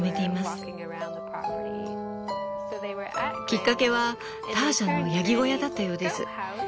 きっかけはターシャのヤギ小屋だったようです。